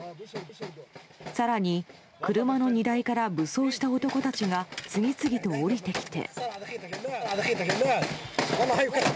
更に、車の荷台から武装した男たちが次々と降りてきて。